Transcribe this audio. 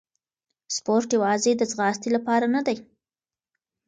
سپورت یوازې د ځغاستې لپاره نه دی.